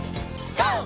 ＧＯ！